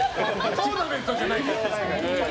トーナメントじゃないから。